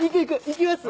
行きます！